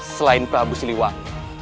selain prabu siliwak